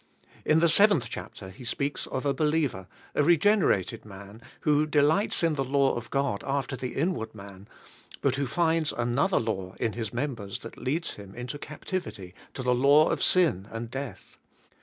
In the seventh 18 THE) SPIRITUAI, I,IFK. chapter lie speaks of a believer, a regenerated man, who delig hts in the law of God after the inward man but who finds another law in his members that leads him into captivity to the law of sin and death.